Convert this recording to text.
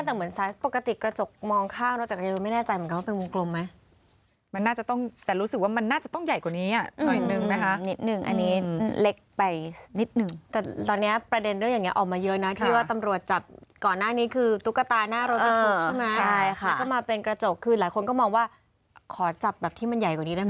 แต่เหมือนปกติกระจกมองข้างรถจักรยายรูปไม่แน่ใจเหมือนกันว่าเป็นมุมกลมไหม